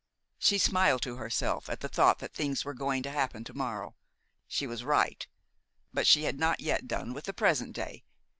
She smiled to herself at the thought that things were going to happen to morrow. She was right. But she had not yet done with the present day.